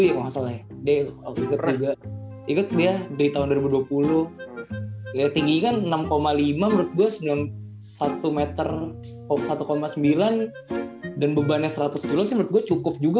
ya tinggi kan enam lima menurut gue sembilan puluh satu meter satu sembilan dan bebannya seratus kilo sih menurut gue cukup juga